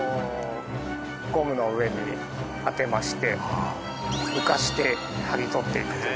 ゴムの上に当てまして浮かせて剥ぎ取っていくという。